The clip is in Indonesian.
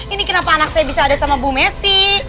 ini kenapa anak saya bisa ada sama bu messi